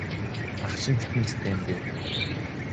Ах чинь хэдэн настай юм бэ?